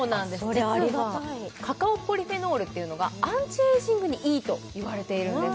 実はカカオポリフェノールっていうのがアンチエイジングにいいといわれているんです